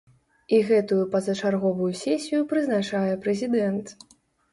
І гэтую пазачарговую сесію прызначае прэзідэнт.